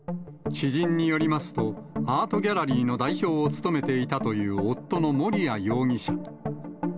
知人によりますと、アートギャラリーの代表を務めていたという夫の盛哉容疑者。